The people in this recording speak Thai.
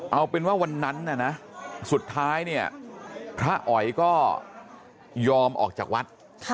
เอาเป็นว่าวันนั้นน่ะนะสุดท้ายเนี่ยพระอ๋อยก็ยอมออกจากวัด